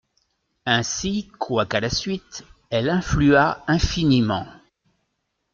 Ainsi, quoiqu'à la suite, elle influa infiniment.